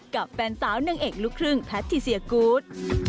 กับแฟนสาวนางเอกลูกครึ่งแพทิเซียกูธ